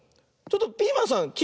ちょっとピーマンさん